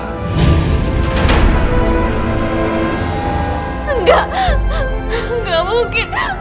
enggak enggak mungkin ujjum